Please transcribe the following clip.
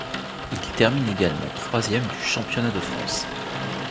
Il termine également troisième du championnat de France.